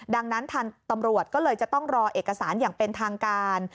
ดังนั้นทางตำรวจก็เลยจะต้องรอเอกสารอย่างเป็นทางการ